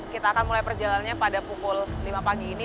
kita akan mulai perjalanannya pada pukul lima pagi ini